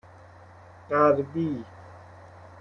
غربی